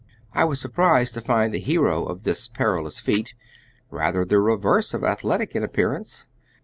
I was surprised to find the hero of this perilous feat rather the reverse of athletic in appearance.